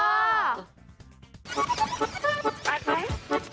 อืม